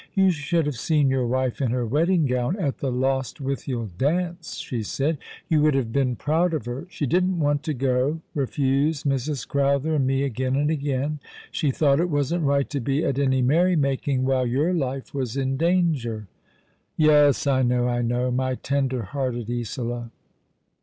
" You should have seen your wife in her wedding gown at the Lostwithiel dance," she said. " You would have been proud of her. She didn't want to go— refused Mrs. Crowther My Frolic Falcon, with Bright Eyes, f o i and me again and again. She thought it wasn't right to bo at any merry making while your life was in danger." " Yes, I know — I know. My tender hearted Isola